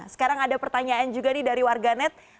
sekarang ada pertanyaan juga nih dari warganet